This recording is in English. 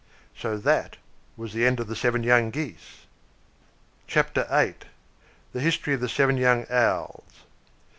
So that was the end of the seven young Geese. CHAPTER VIII. THE HISTORY OF THE SEVEN YOUNG OWLS.